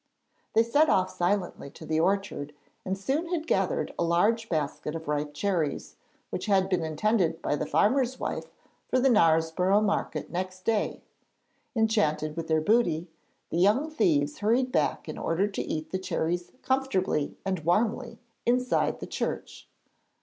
They set off silently to the orchard and soon had gathered a large basket of ripe cherries, which had been intended by the farmer's wife for the Knaresborough market next day. Enchanted with their booty, the young thieves hurried back in order to eat the cherries comfortably and warmly inside the church.